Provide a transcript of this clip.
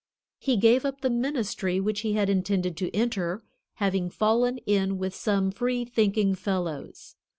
He gave up the ministry which he had intended to enter, having fallen in with some free thinking fellows.